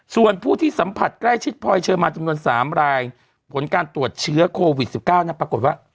ส่วนผู้ที่สัมผัสใกล้ชิดพลอยเชิญมาจำนวน๓รายผลการตรวจเชื้อโควิด๑๙ปรากฏว่า